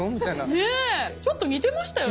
ねえちょっと似てましたよね